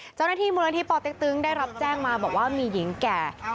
เจ้าหน้าที่มูลนิธิปอเต็กตึงได้รับแจ้งมาบอกว่ามีหญิงแก่